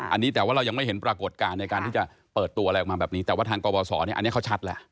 อันนี้แต่ว่าเรายังไม่เห็นปรากฏการณ์ในการที่จะเปิดตัวอะไรออกมาแบบนี้แต่ว่าทางกบสเนี่ยอันนี้เขาชัดแล้ว